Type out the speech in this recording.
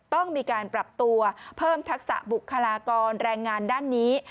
ต้องมีการปรับตัวเพิ่มทักษะบุคลากรแรงงานด้านนี้